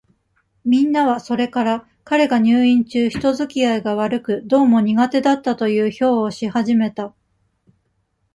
みんなは、それから、彼が入院中、人づきあいが悪く、どうも苦手だったという評をし始めた。